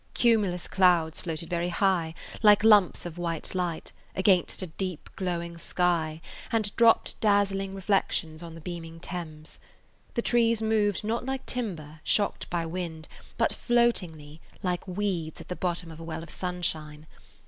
Cumulus clouds floated very high, like lumps of white light, against a deep, glowing sky, and dropped dazzling reflections on the beaming Thames. The trees moved not like timber, shocked by wind, but floatingly, like weeds at the bottom of a well of sunshine.